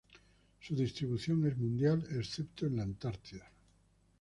Su distribución es mundial, excepto en la Antártida.